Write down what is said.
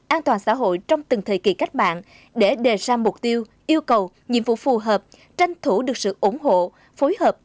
an toàn xã hội trong từng thời kỳ cách mạng để đề ra mục tiêu yêu cầu nhiệm vụ phù hợp tranh thủ được sự ủng hộ phối hợp